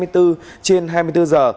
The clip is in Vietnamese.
trên hai mươi bốn giờ